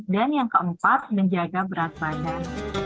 dan yang keempat menjaga berat badan